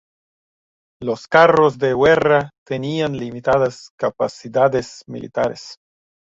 Los carros de guerra tenían limitadas capacidades militares.